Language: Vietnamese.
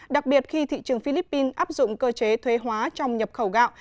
đặc biệt khi thị trường philippines áp dụng cơ chế thuế hóa trong nhập khẩu gạo